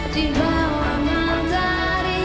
di bawah madari